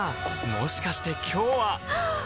もしかして今日ははっ！